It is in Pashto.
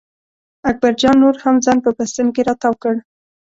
اکبر جان نور هم ځان په بړسټن کې را تاو کړ.